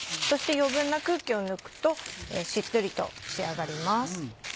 そして余分な空気を抜くとしっとりと仕上がります。